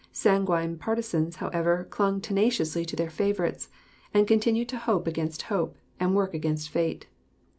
Sanguine partisans, however, clung tenaciously to their favorites, and continued to hope against hope, and work against fate.